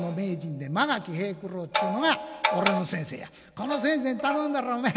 この先生に頼んだらおめえ